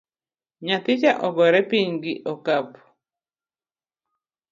Nyathicha ogore piny gi okapu